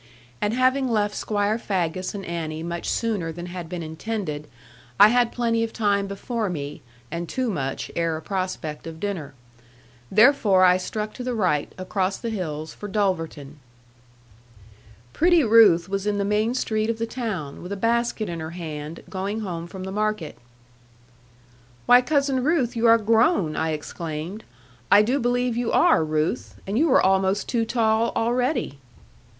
And having left Squire Faggus and Annie much sooner than had been intended, I had plenty of time before me, and too much, ere a prospect of dinner. Therefore I struck to the right, across the hills, for Dulverton. Pretty Ruth was in the main street of the town, with a basket in her hand, going home from the market. 'Why, Cousin Ruth, you are grown, I exclaimed; 'I do believe you are, Ruth. And you were almost too tall, already.'